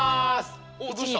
おどうした？